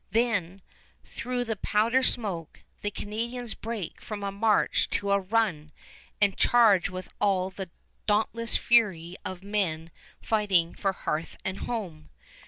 Then, through the powder smoke, the Canadians break from a march to a run, and charge with all the dauntless fury of men fighting for hearth and home.